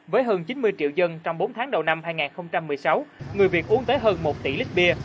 với hơn chín mươi triệu dân trong bốn tháng đầu năm hai nghìn một mươi sáu người việt uống tới hơn một tỷ lít bia